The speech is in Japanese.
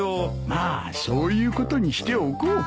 まあそういうことにしておこう。